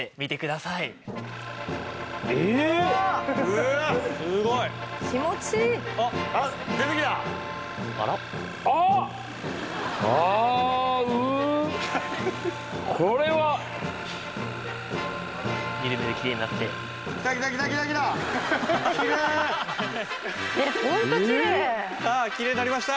さあきれいになりました。